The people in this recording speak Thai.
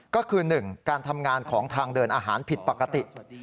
ก็คือ๑การทำงานของทางเดินอาหารผิดปกติ